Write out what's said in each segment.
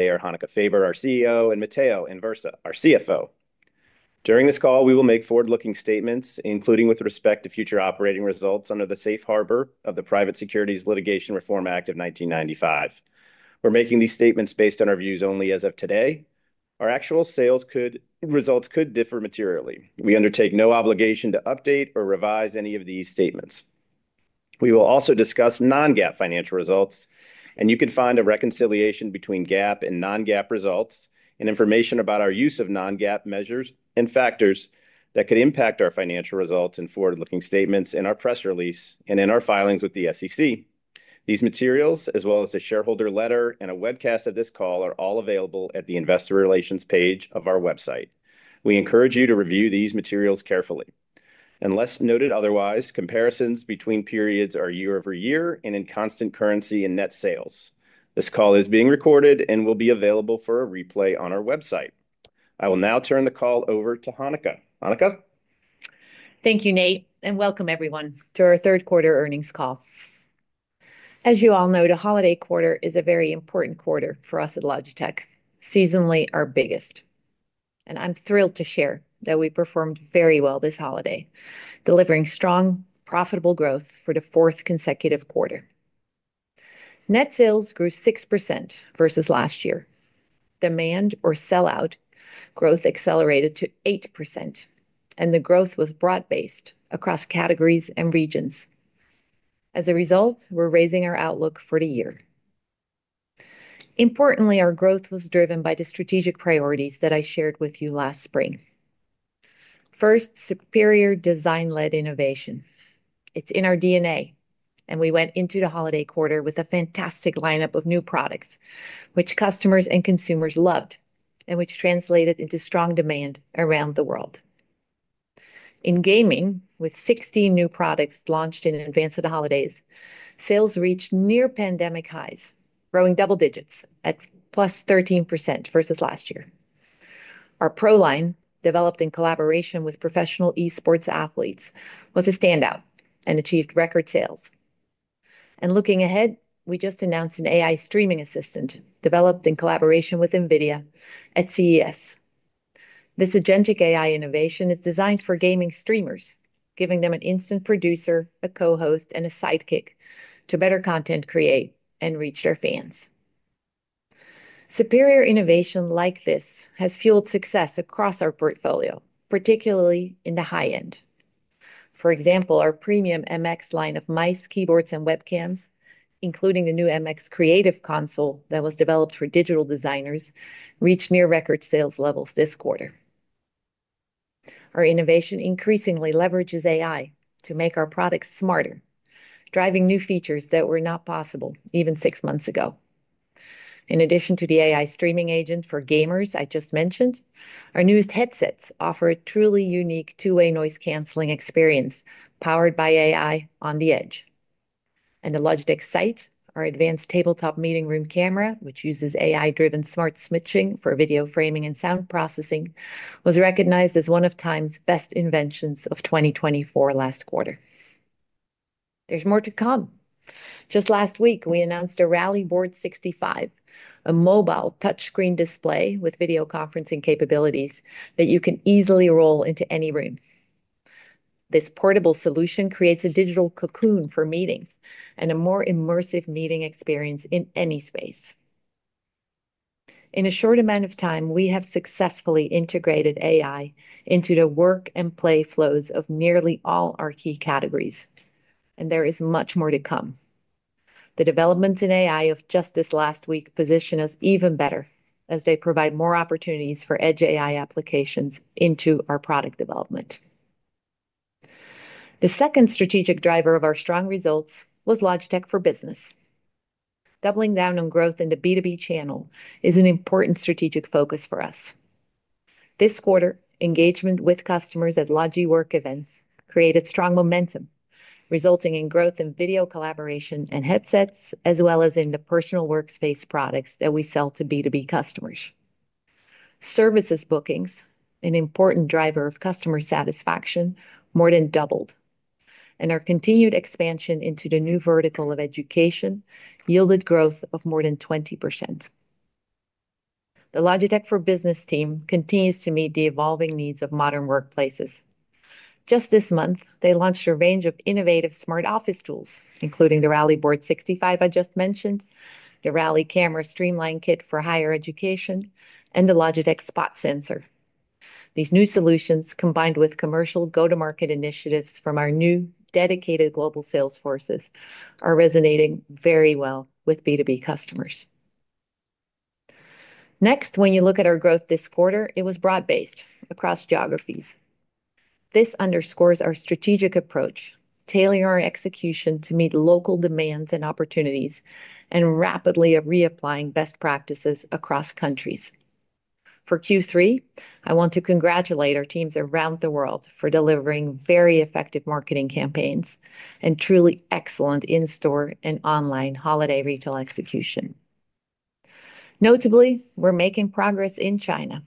They are Hanneke Faber, our CEO, and Matteo Anversa, our CFO. During this call, we will make forward-looking statements, including with respect to future operating results under the safe harbor of the Private Securities Litigation Reform Act of 1995. We're making these statements based on our views only as of today. Our actual sales could, results could differ materially. We undertake no obligation to update or revise any of these statements. We will also discuss non-GAAP financial results, and you can find a reconciliation between GAAP and non-GAAP results and information about our use of non-GAAP measures and factors that could impact our financial results in forward-looking statements in our press release and in our filings with the SEC. These materials, as well as the shareholder letter and a webcast of this call, are all available at the investor relations page of our website. We encourage you to review these materials carefully. Unless noted otherwise, comparisons between periods are year over year and in constant currency and net sales. This call is being recorded and will be available for a replay on our website. I will now turn the call over to Hanneke. Hanneke. Thank you, Nate, and welcome everyone to our third quarter earnings call. As you all know, the holiday quarter is a very important quarter for us at Logitech, seasonally our biggest, and I'm thrilled to share that we performed very well this holiday, delivering strong, profitable growth for the fourth consecutive quarter. Net sales grew 6% versus last year. Demand or sell-out growth accelerated to 8%, and the growth was broad-based across categories and regions. As a result, we're raising our outlook for the year. Importantly, our growth was driven by the strategic priorities that I shared with you last spring. First, superior design-led innovation. It's in our DNA, and we went into the holiday quarter with a fantastic lineup of new products, which customers and consumers loved, and which translated into strong demand around the world. In gaming, with 16 new products launched in advance of the holidays, sales reached near-pandemic highs, growing double digits at plus 13% versus last year. Our Pro Series, developed in collaboration with professional esports athletes, was a standout and achieved record sales. And looking ahead, we just announced an AI streaming assistant developed in collaboration with NVIDIA at CES. This agentic AI innovation is designed for gaming streamers, giving them an instant producer, a co-host, and a sidekick to better content create and reach their fans. Superior innovation like this has fueled success across our portfolio, particularly in the high-end. For example, our premium MX Series of mice, keyboards, and webcams, including the new MX Creative Console that was developed for digital designers, reached near-record sales levels this quarter. Our innovation increasingly leverages AI to make our products smarter, driving new features that were not possible even six months ago. In addition to the AI streaming agent for gamers I just mentioned, our newest headsets offer a truly unique two-way noise-canceling experience powered by AI on the edge, and the Logitech Sight, our advanced tabletop meeting room camera, which uses AI-driven Smart Switching for video framing and sound processing, was recognized as one of Time's Best Inventions of 2024 last quarter. There's more to come. Just last week, we announced a Rally Bar 65, a mobile touchscreen display with video conferencing capabilities that you can easily roll into any room. This portable solution creates a digital cocoon for meetings and a more immersive meeting experience in any space. In a short amount of time, we have successfully integrated AI into the work and play flows of nearly all our key categories, and there is much more to come. The developments in AI of just this last week position us even better as they provide more opportunities for edge AI applications into our product development. The second strategic driver of our strong results was Logitech for Business. Doubling down on growth in the B2B channel is an important strategic focus for us. This quarter, engagement with customers at Logi Work events created strong momentum, resulting in growth in video collaboration and headsets, as well as in the personal workspace products that we sell to B2B customers. Services bookings, an important driver of customer satisfaction, more than doubled, and our continued expansion into the new vertical of education yielded growth of more than 20%. The Logitech for Business team continues to meet the evolving needs of modern workplaces. Just this month, they launched a range of innovative smart office tools, including the Rally Bar 65 I just mentioned, the Rally Camera Streamline Kit for higher education, and the Logitech Spot Sensor. These new solutions, combined with commercial go-to-market initiatives from our new dedicated global sales forces, are resonating very well with B2B customers. Next, when you look at our growth this quarter, it was broad-based across geographies. This underscores our strategic approach, tailoring our execution to meet local demands and opportunities, and rapidly reapplying best practices across countries. For Q3, I want to congratulate our teams around the world for delivering very effective marketing campaigns and truly excellent in-store and online holiday retail execution. Notably, we're making progress in China.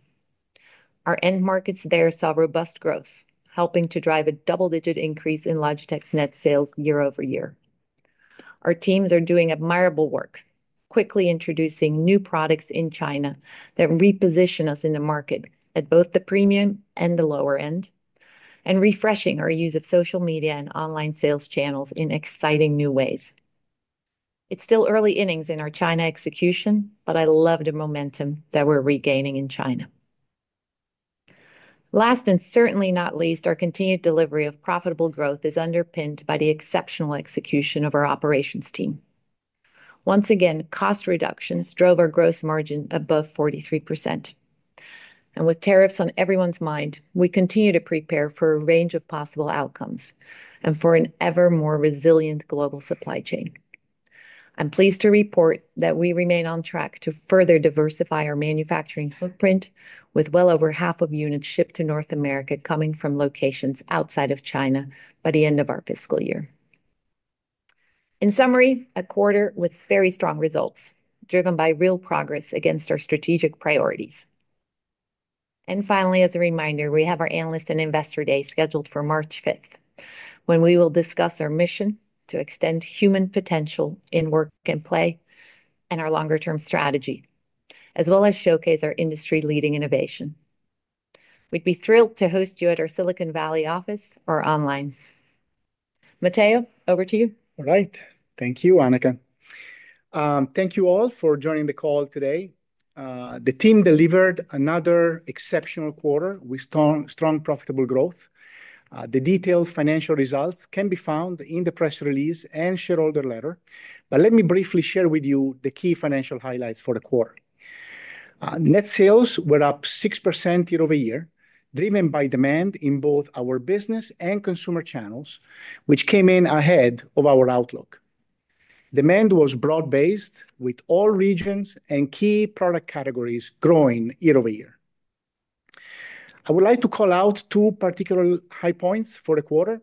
Our end markets there saw robust growth, helping to drive a double-digit increase in Logitech's net sales year over year. Our teams are doing admirable work, quickly introducing new products in China that reposition us in the market at both the premium and the lower end, and refreshing our use of social media and online sales channels in exciting new ways. It's still early innings in our China execution, but I love the momentum that we're regaining in China. Last and certainly not least, our continued delivery of profitable growth is underpinned by the exceptional execution of our operations team. Once again, cost reductions drove our gross margin above 43%. And with tariffs on everyone's mind, we continue to prepare for a range of possible outcomes and for an ever more resilient global supply chain. I'm pleased to report that we remain on track to further diversify our manufacturing footprint, with well over half of units shipped to North America coming from locations outside of China by the end of our fiscal year. In summary, a quarter with very strong results, driven by real progress against our strategic priorities. And finally, as a reminder, we have our Analyst and Investor Day scheduled for March 5th, when we will discuss our mission to extend human potential in work and play, and our longer-term strategy, as well as showcase our industry-leading innovation. We'd be thrilled to host you at our Silicon Valley office or online. Matteo, over to you. All right. Thank you, Hanneke. Thank you all for joining the call today. The team delivered another exceptional quarter with strong, profitable growth. The detailed financial results can be found in the press release and shareholder letter. But let me briefly share with you the key financial highlights for the quarter. Net sales were up 6% year over year, driven by demand in both our business and consumer channels, which came in ahead of our outlook. Demand was broad-based, with all regions and key product categories growing year over year. I would like to call out two particular high points for the quarter.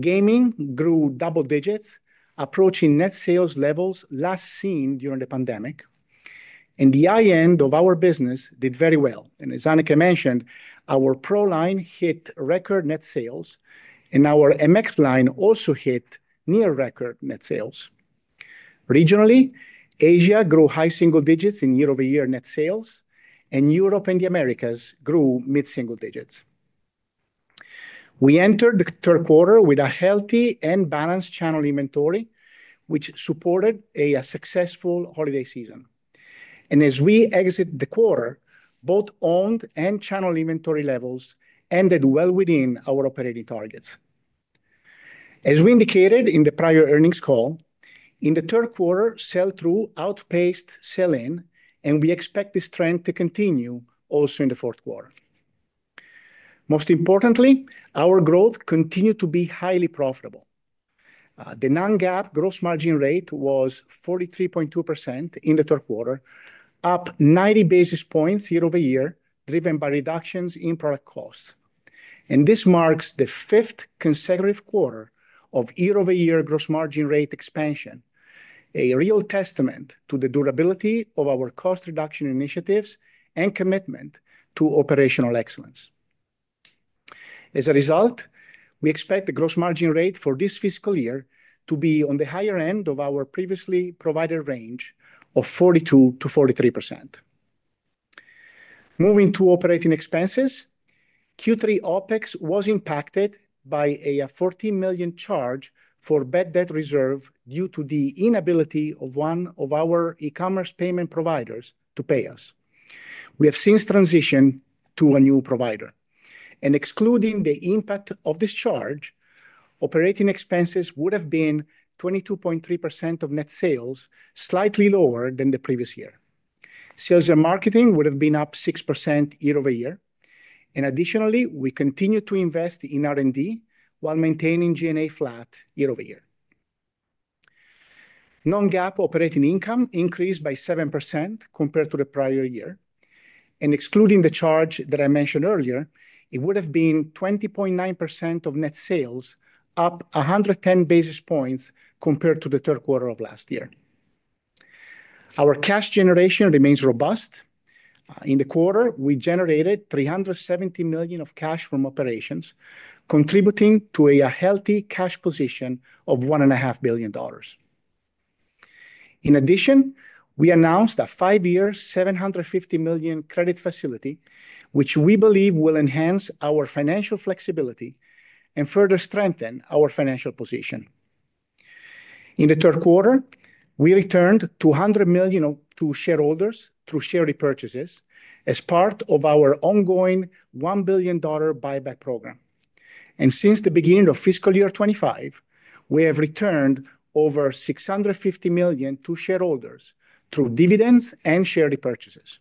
Gaming grew double digits, approaching net sales levels last seen during the pandemic. And the high-end of our business did very well. And as Hanneke mentioned, our Pro Series hit record net sales, and our MX Series also hit near-record net sales. Regionally, Asia grew high single digits in year-over-year net sales, and Europe and the Americas grew mid-single digits. We entered the third quarter with a healthy and balanced channel inventory, which supported a successful holiday season. And as we exit the quarter, both owned and channel inventory levels ended well within our operating targets. As we indicated in the prior earnings call, in the third quarter, sell-through outpaced sell-in, and we expect this trend to continue also in the fourth quarter. Most importantly, our growth continued to be highly profitable. The non-GAAP gross margin rate was 43.2% in the third quarter, up 90 basis points year over year, driven by reductions in product costs. And this marks the fifth consecutive quarter of year-over-year gross margin rate expansion, a real testament to the durability of our cost reduction initiatives and commitment to operational excellence. As a result, we expect the gross margin rate for this fiscal year to be on the higher end of our previously provided range of 42%-43%. Moving to operating expenses, Q3 OpEx was impacted by a $40 million charge for bad debt reserve due to the inability of one of our e-commerce payment providers to pay us. We have since transitioned to a new provider, and excluding the impact of this charge, operating expenses would have been 22.3% of net sales, slightly lower than the previous year. Sales and marketing would have been up 6% year over year, and additionally, we continue to invest in R&D while maintaining G&A flat year over year. Non-GAAP operating income increased by 7% compared to the prior year. Excluding the charge that I mentioned earlier, it would have been 20.9% of net sales, up 110 basis points compared to the third quarter of last year. Our cash generation remains robust. In the quarter, we generated $370 million of cash from operations, contributing to a healthy cash position of $1.5 billion. In addition, we announced a five-year $750 million credit facility, which we believe will enhance our financial flexibility and further strengthen our financial position. In the third quarter, we returned $200 million to shareholders through share repurchases as part of our ongoing $1 billion buyback program. And since the beginning of fiscal year 2025, we have returned over $650 million to shareholders through dividends and share repurchases.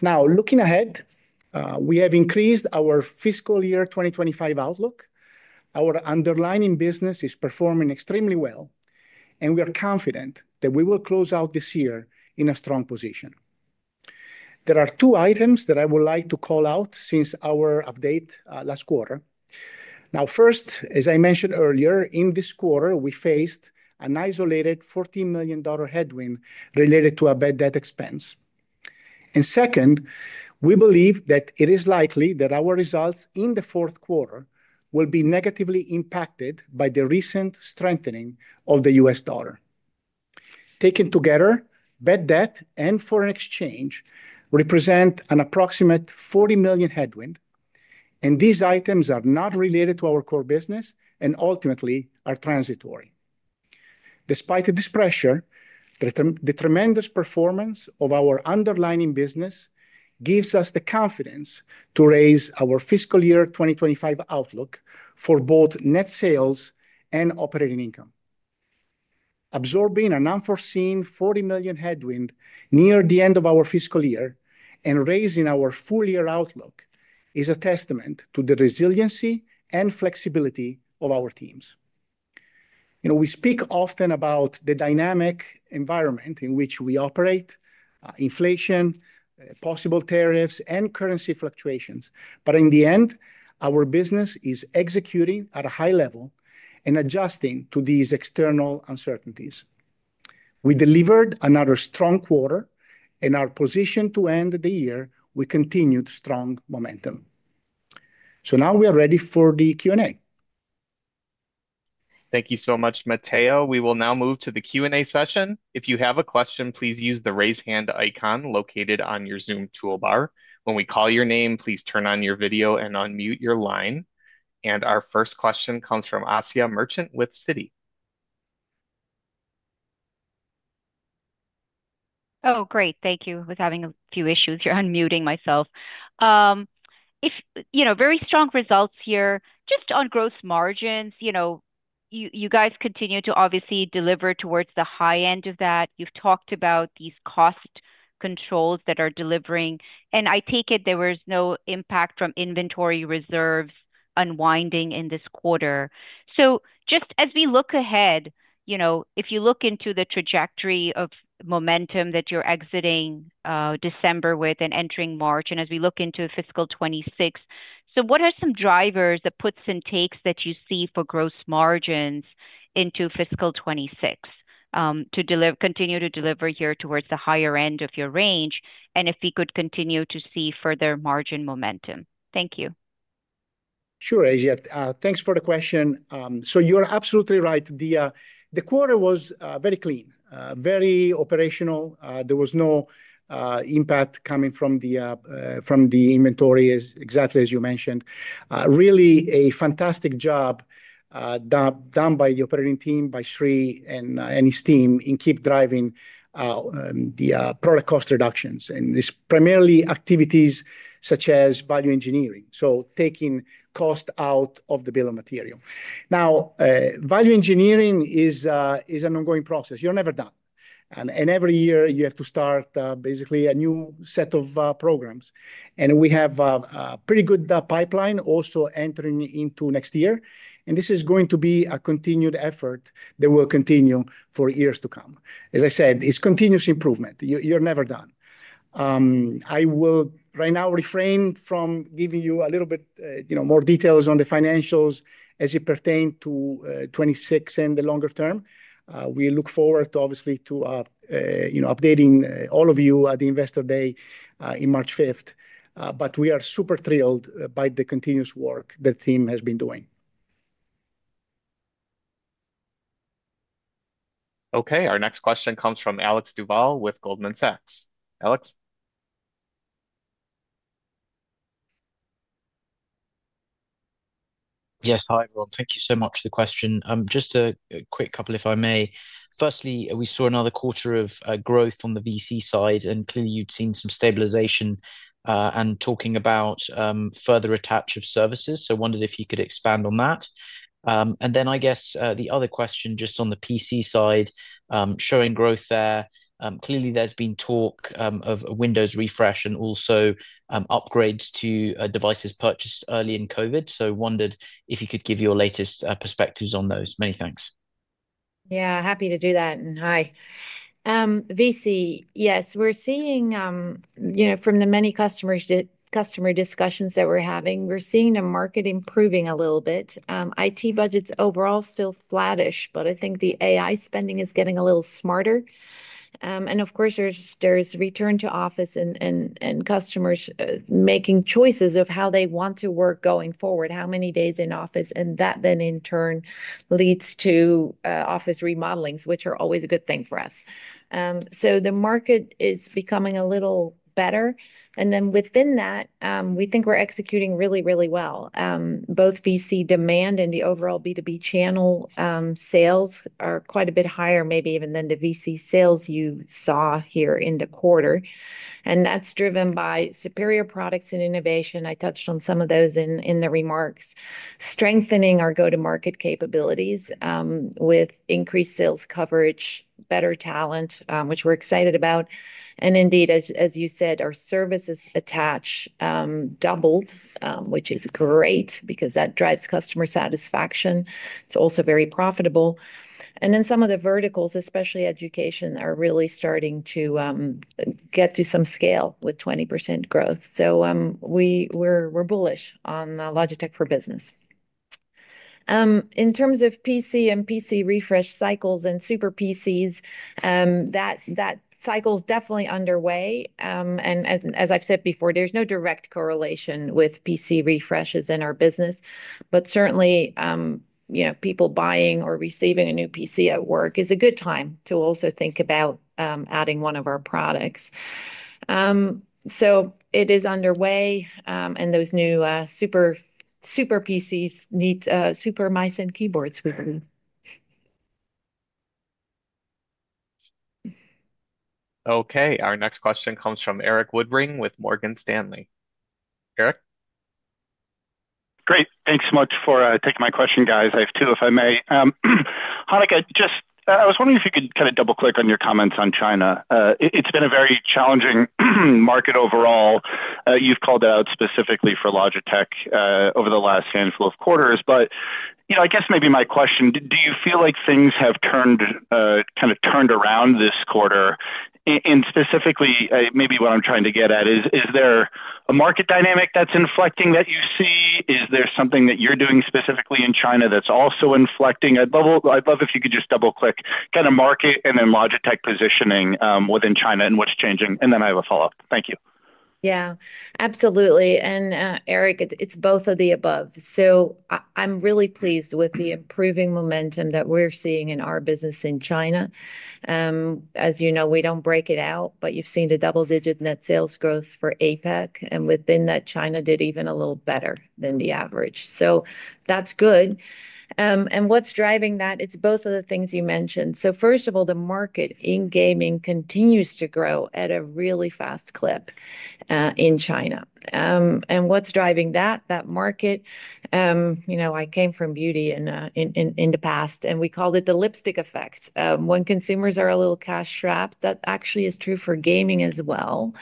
Now, looking ahead, we have increased our fiscal year 2025 outlook. Our underlying business is performing extremely well, and we are confident that we will close out this year in a strong position. There are two items that I would like to call out since our update last quarter. Now, first, as I mentioned earlier, in this quarter, we faced an isolated $40 million headwind related to a bad debt expense, and second, we believe that it is likely that our results in the fourth quarter will be negatively impacted by the recent strengthening of the U.S. dollar. Taken together, bad debt and foreign exchange represent an approximate $40 million headwind, and these items are not related to our core business and ultimately are transitory. Despite this pressure, the tremendous performance of our underlying business gives us the confidence to raise our fiscal year 2025 outlook for both net sales and operating income. Absorbing an unforeseen $40 million headwind near the end of our fiscal year and raising our full-year outlook is a testament to the resiliency and flexibility of our teams. You know, we speak often about the dynamic environment in which we operate, inflation, possible tariffs, and currency fluctuations. But in the end, our business is executing at a high level and adjusting to these external uncertainties. We delivered another strong quarter, and our position to end the year with continued strong momentum. So now we are ready for the Q&A. Thank you so much, Matteo. We will now move to the Q&A session. If you have a question, please use the raise hand icon located on your Zoom toolbar. When we call your name, please turn on your video and unmute your line. And our first question comes from Asiya Merchant with Citi. Oh, great. Thank you. I was having a few issues unmuting myself. Very strong results here just on gross margins. You guys continue to obviously deliver towards the high end of that. You've talked about these cost controls that are delivering. And I take it there was no impact from inventory reserves unwinding in this quarter. So just as we look ahead, you know, if you look into the trajectory of momentum that you're exiting December with and entering March, and as we look into fiscal 2026, so what are some drivers, the puts and takes that you see for gross margins into fiscal 2026 to continue to deliver here towards the higher end of your range, and if we could continue to see further margin momentum? Thank you. Sure, Asya. Thanks for the question. So you're absolutely right, Asya. The quarter was very clean, very operational. There was no impact coming from the inventory, exactly as you mentioned. Really a fantastic job done by the operating team, by Sri and his team, in keeping driving the product cost reductions. And it's primarily activities such as value engineering, so taking cost out of the bill of material. Now, value engineering is an ongoing process. You're never done. And every year, you have to start basically a new set of programs. And we have a pretty good pipeline also entering into next year. And this is going to be a continued effort that will continue for years to come. As I said, it's continuous improvement. You're never done. I will right now refrain from giving you a little bit more details on the financials as it pertains to 2026 and the longer term. We look forward to, obviously, updating all of you at the Investor Day on March 5th, but we are super thrilled by the continuous work that the team has been doing. Okay. Our next question comes from Alex Duval with Goldman Sachs. Alex? Yes, hi, everyone. Thank you so much for the question. Just a quick couple, if I may. Firstly, we saw another quarter of growth on the VC side, and clearly, you'd seen some stabilization and talking about further attach of services. So I wondered if you could expand on that. And then I guess the other question just on the PC side, showing growth there. Clearly, there's been talk of a Windows refresh and also upgrades to devices purchased early in COVID. So I wondered if you could give your latest perspectives on those. Many thanks. Yeah, happy to do that. And hi. VC, yes, we're seeing from the many customer discussions that we're having, we're seeing the market improving a little bit. IT budgets overall still flattish, but I think the AI spending is getting a little smarter. And of course, there's return to office and customers making choices of how they want to work going forward, how many days in office. And that then, in turn, leads to office remodelings, which are always a good thing for us. So the market is becoming a little better. And then within that, we think we're executing really, really well. Both VC demand and the overall B2B channel sales are quite a bit higher, maybe even than the VC sales you saw here in the quarter. And that's driven by superior products and innovation. I touched on some of those in the remarks, strengthening our go-to-market capabilities with increased sales coverage, better talent, which we're excited about. And indeed, as you said, our services attach doubled, which is great because that drives customer satisfaction. It's also very profitable. And then some of the verticals, especially education, are really starting to get to some scale with 20% growth. So we're bullish on Logitech for Business. In terms of PC and PC refresh cycles and super PCs, that cycle is definitely underway. And as I've said before, there's no direct correlation with PC refreshes in our business. But certainly, people buying or receiving a new PC at work is a good time to also think about adding one of our products. So it is underway. And those new super PCs need super mice and keyboards, we believe. Okay. Our next question comes from Erik Woodring with Morgan Stanley. Eric? Great. Thanks so much for taking my question, guys. I have two, if I may. Hanneke, just I was wondering if you could kind of double-click on your comments on China. It's been a very challenging market overall. You've called it out specifically for Logitech over the last handful of quarters. But I guess maybe my question, do you feel like things have kind of turned around this quarter? And specifically, maybe what I'm trying to get at is, is there a market dynamic that's inflecting that you see? Is there something that you're doing specifically in China that's also inflecting? I'd love if you could just double-click kind of market and then Logitech positioning within China and what's changing. And then I have a follow-up. Thank you. Yeah, absolutely. And Eric, it's both of the above. So I'm really pleased with the improving momentum that we're seeing in our business in China. As you know, we don't break it out, but you've seen the double-digit net sales growth for APAC. And within that, China did even a little better than the average. So that's good. And what's driving that? It's both of the things you mentioned. So first of all, the market in gaming continues to grow at a really fast clip in China. And what's driving that? That market, you know, I came from beauty in the past, and we called it the lipstick effect. When consumers are a little cash-strapped, that actually is true for gaming as well.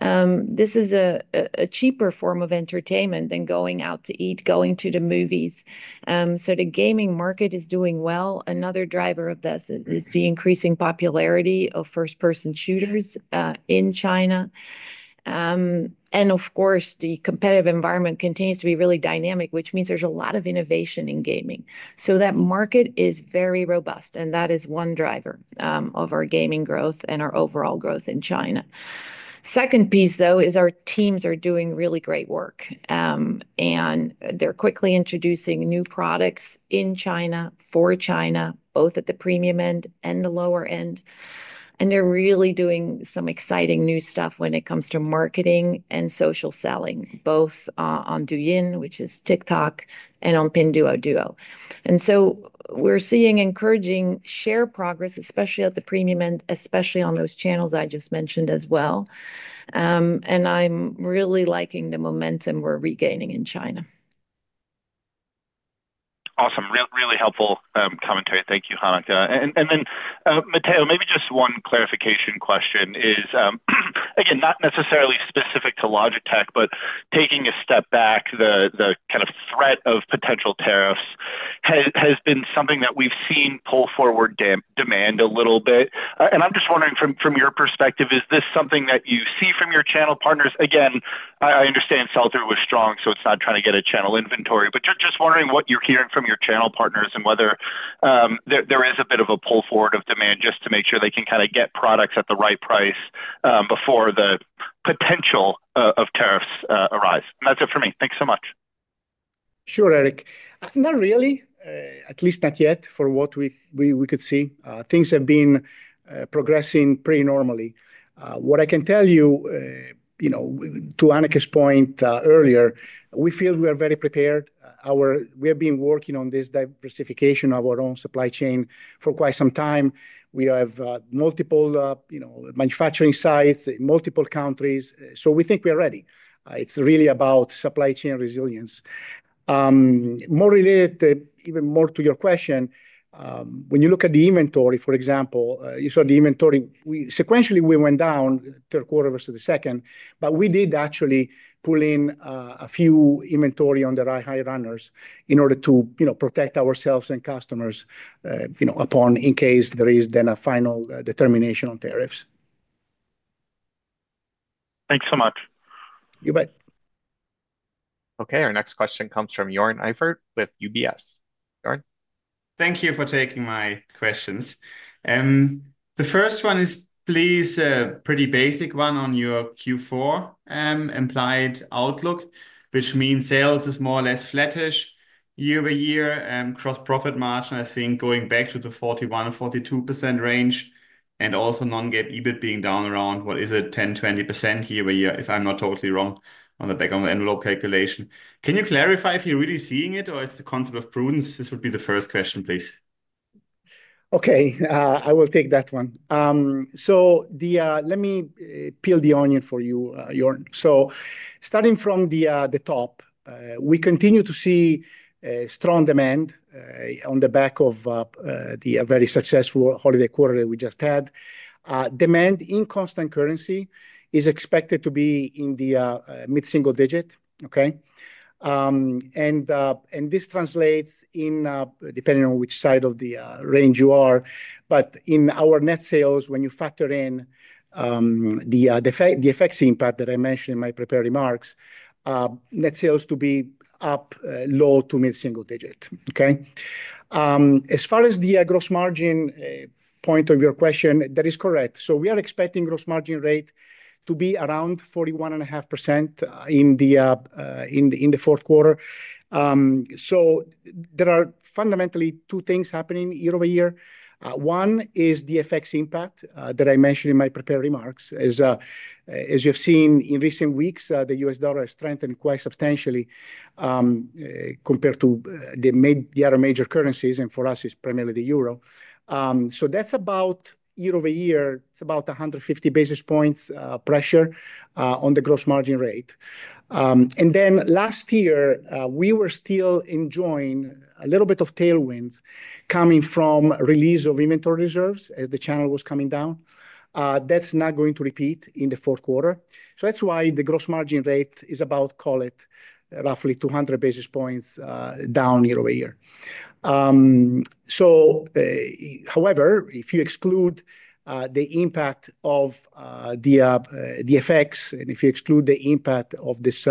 This is a cheaper form of entertainment than going out to eat, going to the movies. So the gaming market is doing well. Another driver of this is the increasing popularity of first-person shooters in China, and of course, the competitive environment continues to be really dynamic, which means there's a lot of innovation in gaming, so that market is very robust, and that is one driver of our gaming growth and our overall growth in China. Second piece, though, is our teams are doing really great work, and they're quickly introducing new products in China for China, both at the premium end and the lower end, and they're really doing some exciting new stuff when it comes to marketing and social selling, both on Douyin, which is TikTok, and on Pinduoduo, and so we're seeing encouraging share progress, especially at the premium end, especially on those channels I just mentioned as well, and I'm really liking the momentum we're regaining in China. Awesome. Really helpful commentary. Thank you, Hanneke. And then, Matteo, maybe just one clarification question is, again, not necessarily specific to Logitech, but taking a step back, the kind of threat of potential tariffs has been something that we've seen pull forward demand a little bit. And I'm just wondering, from your perspective, is this something that you see from your channel partners? Again, I understand sell-through was strong, so it's not trying to get a channel inventory. But just wondering what you're hearing from your channel partners and whether there is a bit of a pull forward of demand just to make sure they can kind of get products at the right price before the potential of tariffs arise. And that's it for me. Thanks so much. Sure, Eric. Not really, at least not yet for what we could see. Things have been progressing pretty normally. What I can tell you, to Hanneke's point earlier, we feel we are very prepared. We have been working on this diversification of our own supply chain for quite some time. We have multiple manufacturing sites in multiple countries. So we think we are ready. It's really about supply chain resilience. More related, even more to your question, when you look at the inventory, for example, you saw the inventory. Sequentially, we went down third quarter versus the second, but we did actually pull in a few inventory on the right-hand runners in order to protect ourselves and customers in case there is then a final determination on tariffs. Thanks so much. You bet. Okay. Our next question comes from Jörn Iffert with UBS. Jörn? Thank you for taking my questions. The first one is, please, a pretty basic one on your Q4 implied outlook, which means sales is more or less flattish year by year, gross-profit margin, I think, going back to the 41%-42% range, and also non-GAAP EBIT being down around, what is it, 10%-20% year by year, if I'm not totally wrong on the back of the envelope calculation. Can you clarify if you're really seeing it or it's the concept of prudence? This would be the first question, please. Okay. I will take that one. So let me peel the onion for you, Jörn. So starting from the top, we continue to see strong demand on the back of the very successful holiday quarter that we just had. Demand in constant currency is expected to be in the mid-single digit. Okay? And this translates in, depending on which side of the range you are, but in our net sales, when you factor in the FX impact that I mentioned in my prepared remarks, net sales to be up low to mid-single digit. Okay? As far as the gross margin point of your question, that is correct. So we are expecting gross margin rate to be around 41.5% in the fourth quarter. So there are fundamentally two things happening year over year. One is the FX impact that I mentioned in my prepared remarks. As you've seen in recent weeks, the U.S. dollar has strengthened quite substantially compared to the other major currencies, and for us, it's primarily the Euro, so that's about year over year, it's about 150 basis points pressure on the gross margin rate, and then last year, we were still enjoying a little bit of tailwind coming from release of inventory reserves as the channel was coming down. That's not going to repeat in the fourth quarter, so that's why the gross margin rate is about, call it, roughly 200 basis points down year over year, so however, if you exclude the impact of the FX effects and if you exclude the impact of this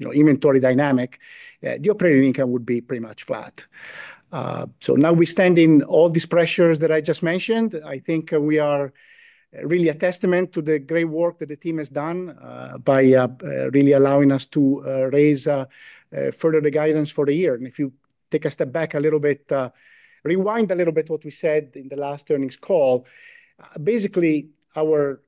inventory dynamic, the operating income would be pretty much flat, so now we stand in all these pressures that I just mentioned. I think we are really a testament to the great work that the team has done by really allowing us to raise further the guidance for the year, and if you take a step back a little bit, rewind a little bit what we said in the last earnings call, basically, our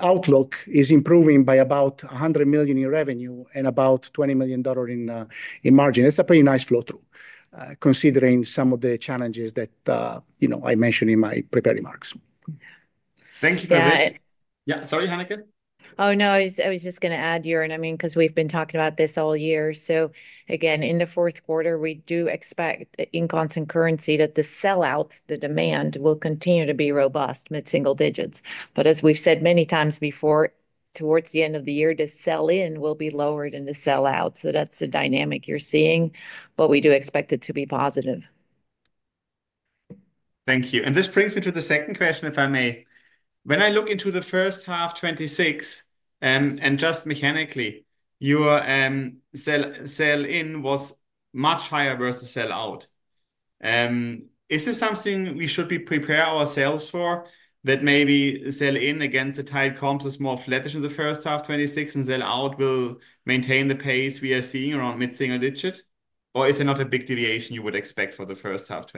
outlook is improving by about $100 million in revenue and about $20 million in margin. It's a pretty nice flow-through considering some of the challenges that I mentioned in my prepared remarks. Thank you for this. Yeah, sorry, Hanneke? Oh, no, I was just going to add, Jörn, I mean, because we've been talking about this all year. So again, in the fourth quarter, we do expect in constant currency that the sell-out, the demand will continue to be robust, mid-single digits. But as we've said many times before, towards the end of the year, the sell-in will be lower than the sell-out. So that's the dynamic you're seeing. But we do expect it to be positive. Thank you. And this brings me to the second question, if I may. When I look into the first half 2026 and just mechanically, your sell-in was much higher versus sell-out. Is this something we should prepare ourselves for that maybe sell-in against the tight comps is more flattish in the first half 2026 and sell-out will maintain the pace we are seeing around mid-single digit? Or is there not a big deviation you would expect for the first half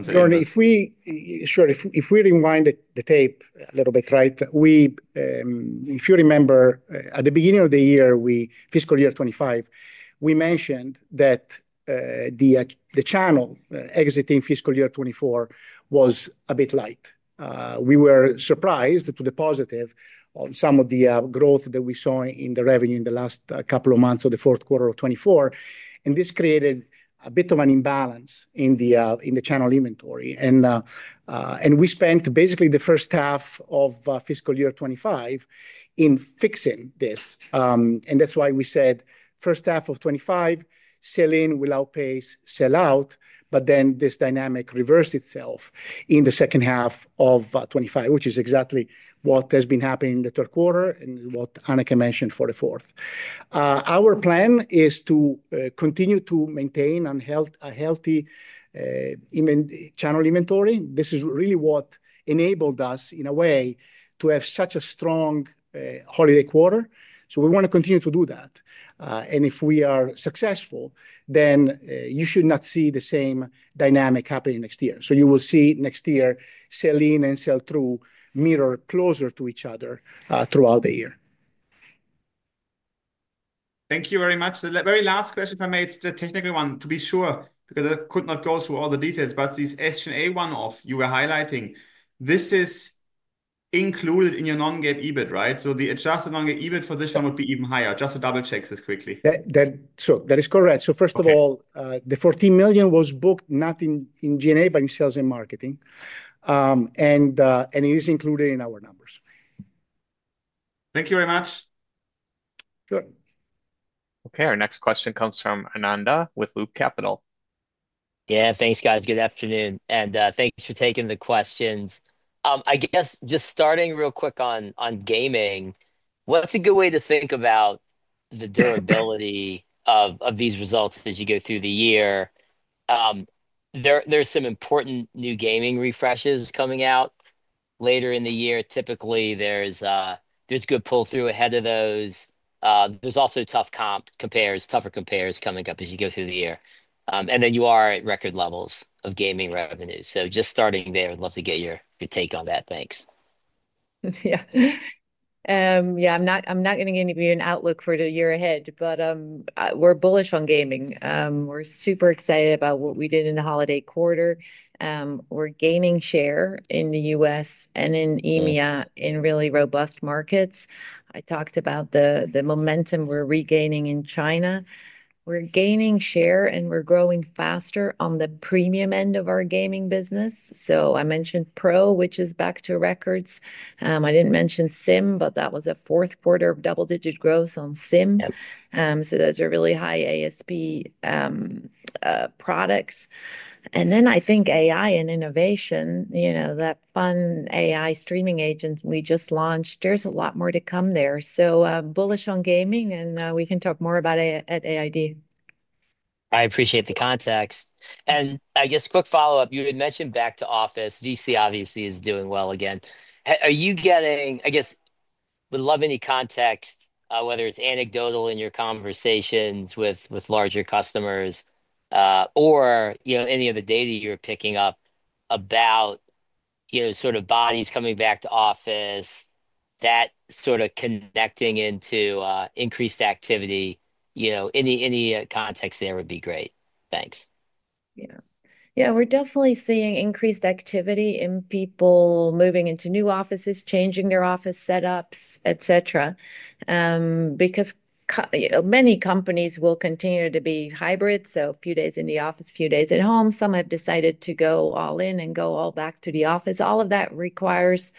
2026? Sure. If we rewind the tape a little bit, right? If you remember, at the beginning of the year, fiscal year 2025, we mentioned that the channel exiting fiscal year 2024 was a bit light. We were surprised to the positive on some of the growth that we saw in the revenue in the last couple of months of the fourth quarter of 2024. And this created a bit of an imbalance in the channel inventory. And we spent basically the first half of fiscal year 2025 in fixing this. And that's why we said first half of 2025, sell-in will outpace sell-out, but then this dynamic reversed itself in the second half of 2025, which is exactly what has been happening in the third quarter and what Hanneke mentioned for the fourth. Our plan is to continue to maintain a healthy channel inventory. This is really what enabled us, in a way, to have such a strong holiday quarter. So we want to continue to do that. And if we are successful, then you should not see the same dynamic happening next year. So you will see next year sell-in and sell-through mirror closer to each other throughout the year. Thank you very much. The very last question, if I may, it's the technical one. To be sure, because I could not go through all the details, but these SG&A offsets you were highlighting, this is included in your non-GAAP EBIT, right? So the adjusted non-GAAP EBIT for this one would be even higher. Just to double-check this quickly. So that is correct. So first of all, the $14 million was booked not in G&A, but in sales and marketing. And it is included in our numbers. Thank you very much. Sure. Okay. Our next question comes from Ananda with Loop Capital. Yeah, thanks, guys. Good afternoon. And thanks for taking the questions. I guess just starting real quick on gaming, what's a good way to think about the durability of these results as you go through the year? There are some important new gaming refreshes coming out later in the year. Typically, there's good pull-through ahead of those. There's also tougher comps coming up as you go through the year. And then you are at record levels of gaming revenue. So just starting there, I'd love to get your take on that. Thanks. Yeah. Yeah, I'm not giving anybody an outlook for the year ahead, but we're bullish on gaming. We're super excited about what we did in the holiday quarter. We're gaining share in the U.S. and in EMEA in really robust markets. I talked about the momentum we're regaining in China. We're gaining share and we're growing faster on the premium end of our gaming business. So I mentioned Pro, which is back to records. I didn't mention Sim, but that was a fourth quarter double-digit growth on Sim. So those are really high ASP products. And then I think AI and innovation, you know that fun AI streaming agent we just launched, there's a lot more to come there. So bullish on gaming and we can talk more about it at AID. I appreciate the context, and I guess quick follow-up, you had mentioned back to office. VC obviously is doing well again. Are you getting, I guess, would love any context, whether it's anecdotal in your conversations with larger customers or any of the data you're picking up about sort of bodies coming back to office, that sort of connecting into increased activity, any context there would be great. Thanks. Yeah. Yeah, we're definitely seeing increased activity in people moving into new offices, changing their office setups, et cetera, because many companies will continue to be hybrid. So a few days in the office, a few days at home. Some have decided to go all in and go all back to the office. All of that requires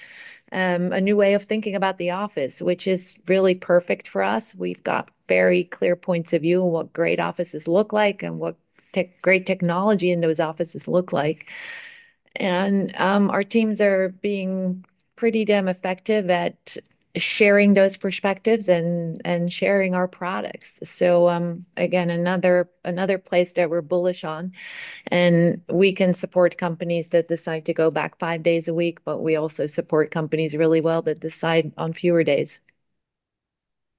a new way of thinking about the office, which is really perfect for us. We've got very clear points of view on what great offices look like and what great technology in those offices look like. And our teams are being pretty damn effective at sharing those perspectives and sharing our products. So again, another place that we're bullish on. And we can support companies that decide to go back five days a week, but we also support companies really well that decide on fewer days.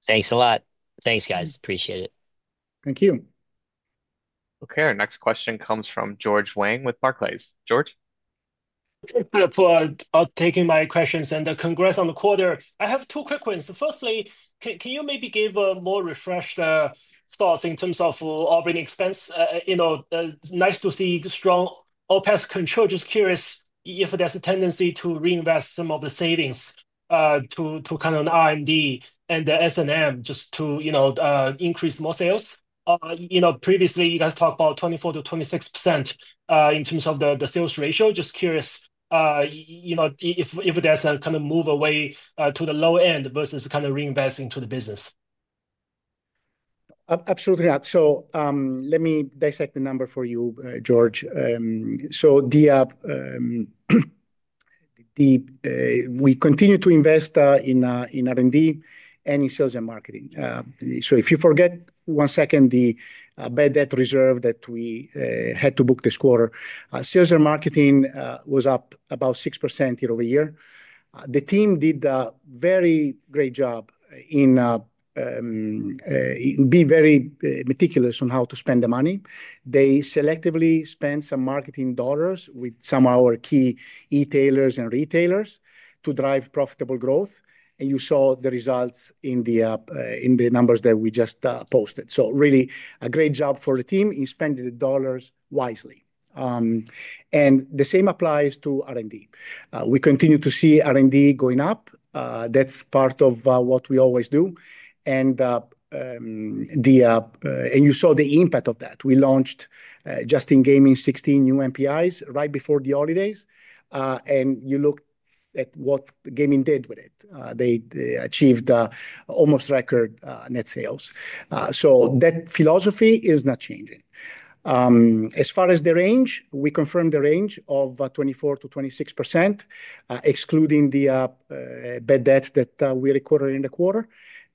Thanks a lot. Thanks, guys. Appreciate it. Thank you. Okay. Our next question comes from George Wang with Barclays. George. Thank you for taking my questions, and the congrats on the quarter. I have two quick questions. Firstly, can you maybe give a more refreshed thought in terms of operating expense? Nice to see strong OpEx control. Just curious if there's a tendency to reinvest some of the savings to kind of R&D and the S&M just to increase more sales. Previously, you guys talked about 24%-26% in terms of the sales ratio. Just curious if there's a kind of move away to the low end versus kind of reinvesting to the business. Absolutely not. So let me dissect the number for you, George. So we continue to invest in R&D and in sales and marketing. So if you forget one second, the bad debt reserve that we had to book this quarter, sales and marketing was up about 6% year over year. The team did a very great job in being very meticulous on how to spend the money. They selectively spent some marketing dollars with some of our key e-tailers and retailers to drive profitable growth. And you saw the results in the numbers that we just posted. So really a great job for the team in spending the dollars wisely. And the same applies to R&D. We continue to see R&D going up. That's part of what we always do. And you saw the impact of that. We launched just in gaming 16 new NPIs right before the holidays. You look at what gaming did with it. They achieved almost record net sales. That philosophy is not changing. As far as the range, we confirmed the range of 24%-26%, excluding the bad debt that we recorded in the quarter.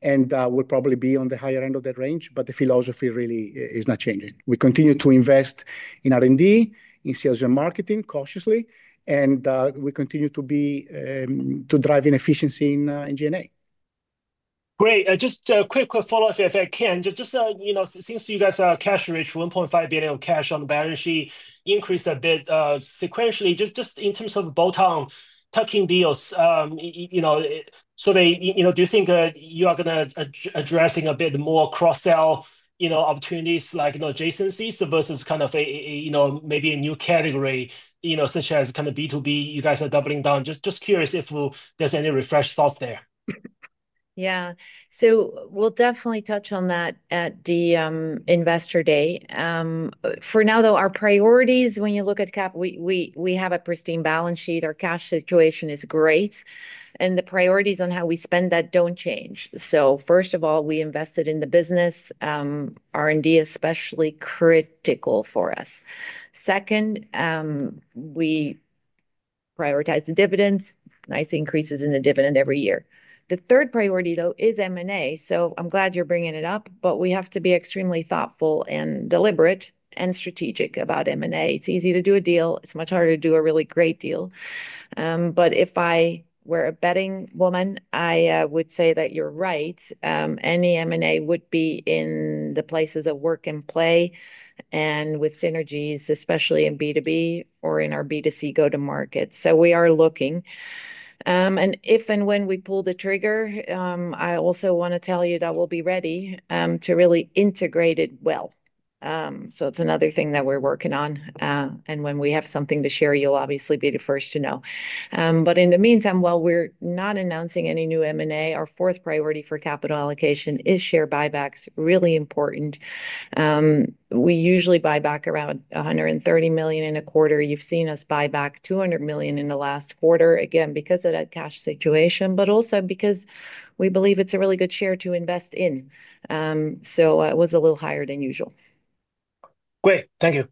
We'll probably be on the higher end of that range, but the philosophy really is not changing. We continue to invest in R&D, in sales and marketing cautiously. We continue to drive inefficiency in G&A. Great. Just a quick follow-up, if I can. Just since you guys are cash rich, $1.5 billion of cash on the balance sheet increased a bit sequentially, just in terms of bolt-on tuck-in deals. So do you think you are going to be addressing a bit more cross-sell opportunities like adjacencies versus kind of maybe a new category such as kind of B2B you guys are doubling down? Just curious if there's any refreshed thoughts there. Yeah. So we'll definitely touch on that at the investor day. For now, though, our priorities, when you look at CapEx, we have a pristine balance sheet. Our cash situation is great. And the priorities on how we spend that don't change. So first of all, we invest in the business. R&D is especially critical for us. Second, we prioritize the dividends. Nice increases in the dividend every year. The third priority, though, is M&A. So I'm glad you're bringing it up, but we have to be extremely thoughtful and deliberate and strategic about M&A. It's easy to do a deal. It's much harder to do a really great deal. But if I were a betting woman, I would say that you're right. Any M&A would be in the places of work and play and with synergies, especially in B2B or in our B2C go-to-market. So we are looking. And if and when we pull the trigger, I also want to tell you that we'll be ready to really integrate it well. So it's another thing that we're working on. And when we have something to share, you'll obviously be the first to know. But in the meantime, while we're not announcing any new M&A, our fourth priority for capital allocation is share buybacks. Really important. We usually buy back around $130 million in a quarter. You've seen us buy back $200 million in the last quarter, again, because of that cash situation, but also because we believe it's a really good share to invest in. So it was a little higher than usual. Great. Thank you.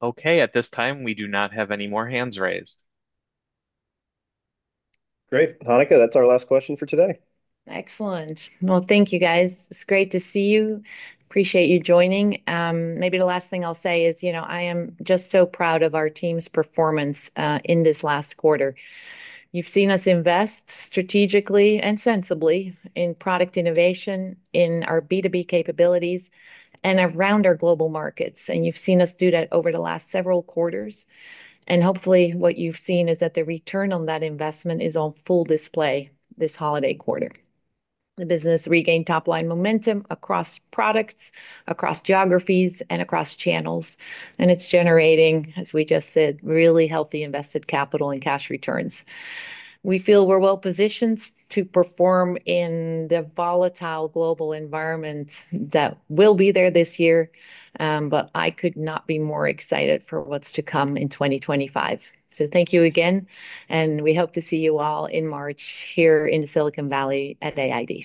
Okay. At this time, we do not have any more hands raised. Great. Hanneke, that's our last question for today. Excellent. Well, thank you, guys. It's great to see you. Appreciate you joining. Maybe the last thing I'll say is I am just so proud of our team's performance in this last quarter. You've seen us invest strategically and sensibly in product innovation in our B2B capabilities and around our global markets. And you've seen us do that over the last several quarters. And hopefully, what you've seen is that the return on that investment is on full display this holiday quarter. The business regained top-line momentum across products, across geographies, and across channels. And it's generating, as we just said, really healthy invested capital and cash returns. We feel we're well-positioned to perform in the volatile global environment that will be there this year. But I could not be more excited for what's to come in 2025. So thank you again. We hope to see you all in March here in Silicon Valley at AID.